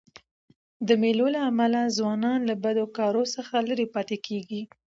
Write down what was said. د مېلو له امله ځوانان له بدو کارو څخه ليري پاته کېږي.